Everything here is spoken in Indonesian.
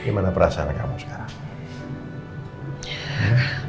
gimana perasaan kamu sekarang